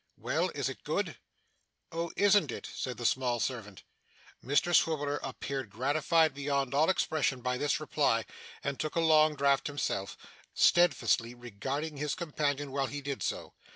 Well, is it good?' 'Oh! isn't it?' said the small servant. Mr Swiveller appeared gratified beyond all expression by this reply, and took a long draught himself, steadfastly regarding his companion while he did so.